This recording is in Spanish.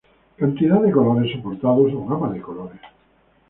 Cantidad de colores soportados o gama de colores.